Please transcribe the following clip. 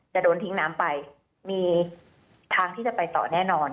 โดนทิ้งน้ำไปมีทางที่จะไปต่อแน่นอน